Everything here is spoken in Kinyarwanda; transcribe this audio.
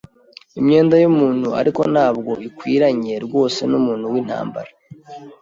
imyenda y'umuntu, ariko ntabwo ikwiranye rwose numuntu wintambara.